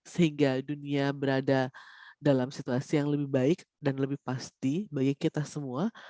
sehingga dunia berada dalam situasi yang lebih baik dan lebih pasti bagi kita semua